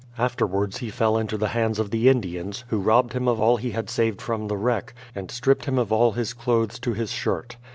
Afterwards he fell into the hands of the Indians, who robbed him of all that he had saved from the wreck, and stripped him of all his clothes to his shirt.